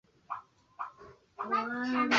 maadili yao maalumu kuanzia unyenyekevu na upole hadi